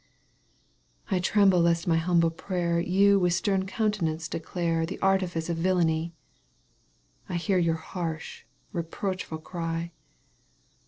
I tremble lest my humble prayer ' You with stem countenance declare The artifice of villany — I hear your harsh, reproachful cry.